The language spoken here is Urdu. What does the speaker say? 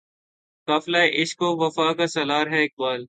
قافلہِ عشق و وفا کا سالار ہے اقبال